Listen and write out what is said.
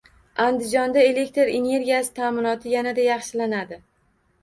Andijonda elektr energiyasi ta’minoti yanada yaxshilanadi